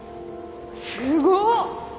すごっ！